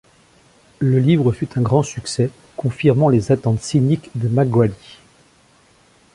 Le livre fut un grand succès, confirmant les attentes cyniques de McGrady.